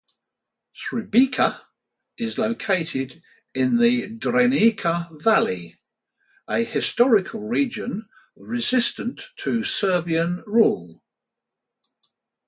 Srbica is located in the Drenica valley, a historical region resistant of Serbian rule.